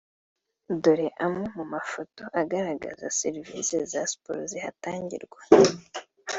Dore amwe mu mafoto agaragaza serivisi za sport zihatangirwa